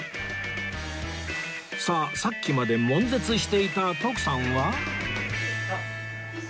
さあさっきまで悶絶していた徳さんは？